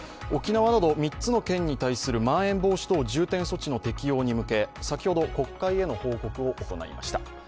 沖縄など３つの県に対するまん延防止等重点措置の適用に向け、先ほど国会への報告を行いました。